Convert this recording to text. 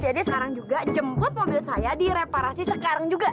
jadi sekarang juga jemput mobil saya direparasi sekarang juga